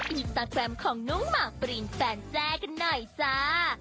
อินสตาแกรมของน้องหมากปรินแฟนแจ้กันหน่อยจ้า